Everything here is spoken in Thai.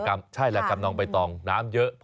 สมชื่อบางรกรรมน้องใบตองน้ำเยอะ